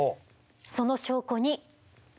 その証拠にえい！